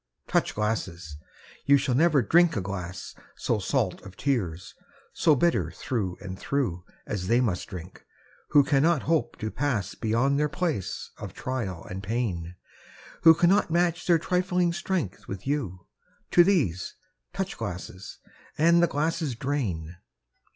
Touch glasses ! Tou shall never drink a glass So salt of tears, so bitter through and through. As they must drink, who cannot hope to pass Beyond their place of trial and of pain. Who cannot match their trifling strength with you; To these, touch glasses — ^and the glasses drain